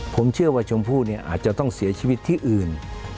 ผมเชื่อว่าชมพู่เนี่ยอาจจะต้องเสียชีวิตที่อื่น